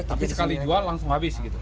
tapi sekali jual langsung habis gitu